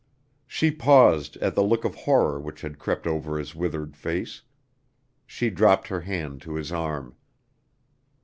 She paused at the look of horror which had crept over his withered face. She dropped her hand to his arm.